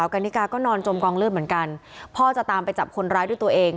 เอ้ยไม่ได้แต่เคยนั่งกินหมงกระทะหัวทั้ง